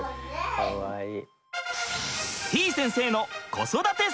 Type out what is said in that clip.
かわいい。